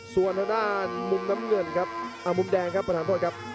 ส่วนทางด้านมุมน้ำเงินครับมุมแดงครับประธานโทษครับ